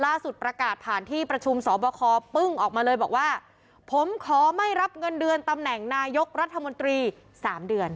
ล่าสุดประกาศผ่านที่ประชุมสอบคอปึ้งออกมาเลยบอกว่าผมขอไม่รับเงินเดือนตำแหน่งนายกรัฐมนตรี๓เดือน